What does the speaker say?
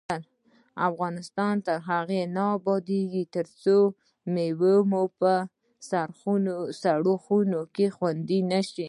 افغانستان تر هغو نه ابادیږي، ترڅو مېوې مو په سړه خونه کې خوندي نشي.